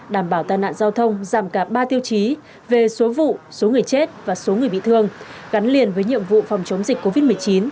đảm bảo tai nạn giao thông giảm cả ba tiêu chí về số vụ số người chết và số người bị thương gắn liền với nhiệm vụ phòng chống dịch covid một mươi chín